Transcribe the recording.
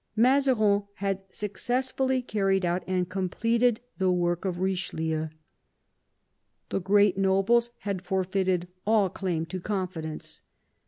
Mazarin had successfully carried out and completed the work of Eichelieu. The great nobles had forfeited all claim to confidence.